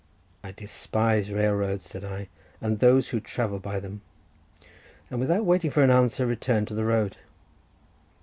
"I despise railroads," said I, "and those who travel by them," and without waiting for an answer returned to the road.